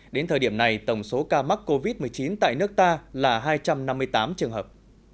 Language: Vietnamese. đến thời điểm này tổng số ca mắc covid một mươi chín tại nước ta là hai trăm năm mươi tám trường hợp